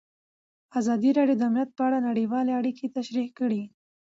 ازادي راډیو د امنیت په اړه نړیوالې اړیکې تشریح کړي.